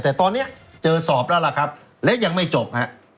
แต่ตอนนี้เจอสอบแล้วล่ะครับและยังไม่จบฮะ